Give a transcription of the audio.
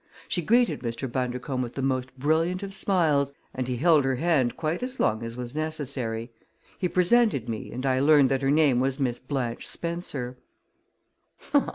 She greeted Mr. Bundercombe with the most brilliant of smiles and he held her hand quite as long as was necessary. He presented me and I learned that her name was Miss Blanche Spencer.